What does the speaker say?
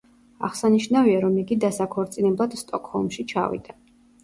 აღსანიშნავია, რომ იგი დასაქორწინებლად სტოკჰოლმში ჩავიდა.